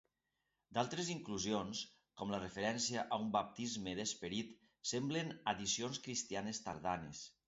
D'altres inclusions, com la referència a un baptisme d'esperit, semblen addicions cristianes tardanes.